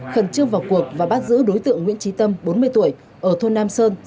khẩn trương vào cuộc và bắt giữ đối tượng nguyễn trí tâm bốn mươi tuổi ở thôn nam sơn